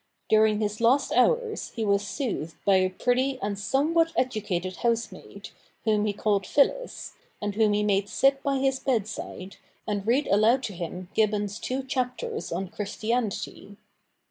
During his last hours he was soothed by a pretty and somewhat educated housemaid, whom he called Phyllis, and whom he made sit by his bedside, and read aloud to him Gibbon's two chapters on Christianity.